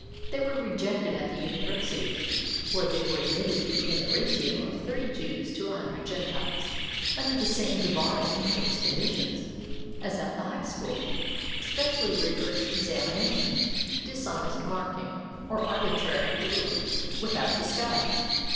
They were rejected at the universities, where they were admitted in the ratio of three Jews to a hundred Gentiles, under the same debarring entrance conditions as at the high school: especially rigorous examinations, dishonest marking, or arbitrary ruHngs without disguise.